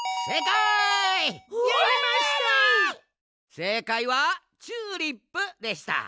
せいかいはチューリップでした。